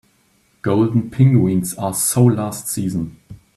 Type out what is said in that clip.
Golden penguins are so last season.